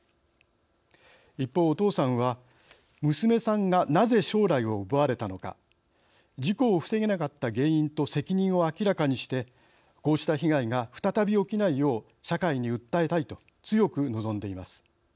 一方、お父さんは娘さんがなぜ将来を奪われたのか事故を防げなかった原因と責任を明らかにしてこうした被害が再び起きないよう社会に訴えたいと強く望んでいます。